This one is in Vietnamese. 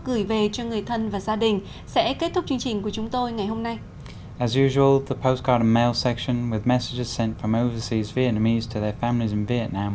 gửi về cho người thân và gia đình sẽ kết thúc chương trình của chúng tôi ngày hôm nay